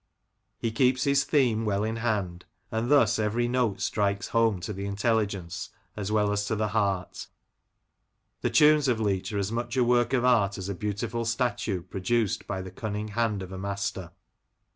He keeps his theme well in hand, and thus every note strikes home to the intelligence as well as to the heart The tunes of Leach are as much a work of art as a beautiful statue produced by the cunning hand of a master.